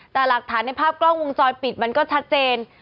แต่หลักฐานในภาพกล้องวงจรปิดมันก็ชัดเจน